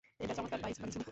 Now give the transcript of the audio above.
এটা চমৎকার প্রাইজমানি ছিলো।